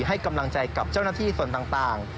ให้กำลังใจกับเจ้าหน้าที่ส่วนต่าง